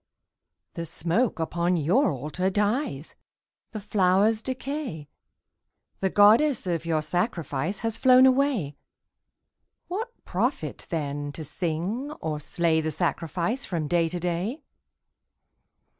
_) The smoke upon your Altar dies, The flowers decay, The Goddess of your sacrifice Has flown away. What profit, then, to sing or slay The sacrifice from day to day?